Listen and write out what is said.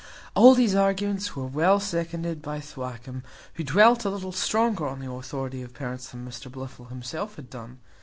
All these arguments were well seconded by Thwackum, who dwelt a little stronger on the authority of parents than Mr Blifil himself had done.